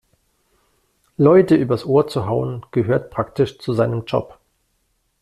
Leute übers Ohr zu hauen, gehört praktisch zu seinem Job.